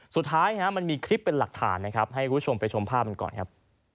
สุดท้ายมันมีคลิปเป็นหลักฐานนะครับให้คุณผู้ชมไปชมภาพกันก่อนครับ